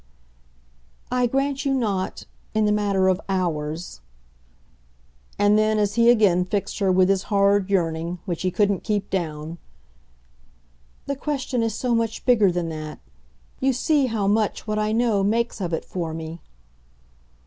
"I grant you not in the matter of OURS." And then as he again fixed her with his hard yearning, which he couldn't keep down: "The question is so much bigger than that. You see how much what I know makes of it for me."